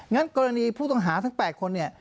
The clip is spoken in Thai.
งั้นกรณีผู้ต้องหาทั้ง๘คน